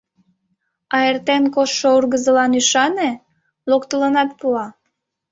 А эртен коштшо ургызылан ӱшане, локтылынат пуа.